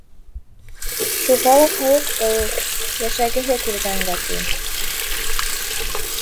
Шуға ла һауыҡты ул. Йәшәгеһе килгәнгә тием.